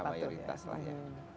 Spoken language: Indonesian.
ya mayoritas lah ya